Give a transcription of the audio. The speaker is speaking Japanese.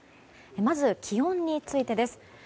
まず、気温についてです。